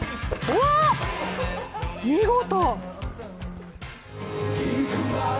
うわ、見事！